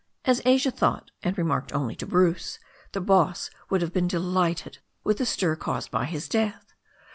As Asia thought, and remarked only to Bruce, the boss would have been delighted with the stir caused by his death.